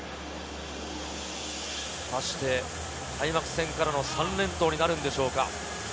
開幕戦からの３連投になるんでしょうか。